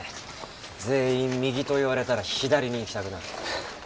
全員右と言われたら左に行きたくなる。